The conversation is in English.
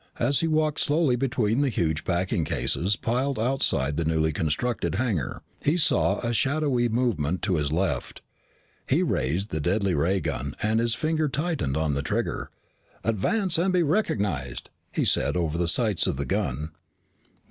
As he walked slowly between the huge packing cases piled outside the newly constructed hangar, he saw a shadowy movement to his left. He raised the deadly ray gun, and his finger tightened on the trigger. "Advance and be recognized," he said over the sights of the gun.